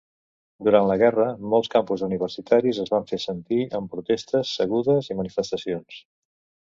Durant la guerra, molts campus universitaris es van fer sentir amb protestes, segudes i manifestacions.